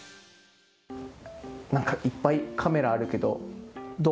なんかいっぱいカメラあるけどどう？